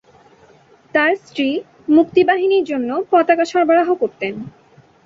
তাঁর স্ত্রী মুক্তিবাহিনীর জন্য পতাকা সরবরাহ করতেন।